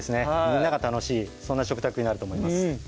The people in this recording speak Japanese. みんなが楽しいそんな食卓になると思います